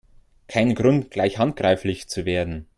Kein Grund, gleich handgreiflich zu werden!